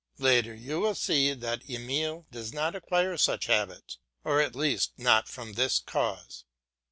Later on you will see that Emile does not acquire such habits or at least not from this cause.